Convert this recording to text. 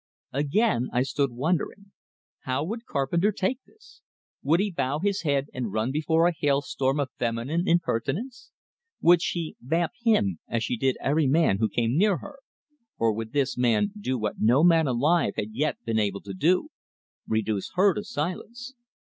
Again I stood wondering; how would Carpenter take this? Would he bow his head and run before a hail storm of feminine impertinence? Would she "vamp" him, as she did every man who came near her? Or would this man do what no man alive had yet been able to do reduce her to silence?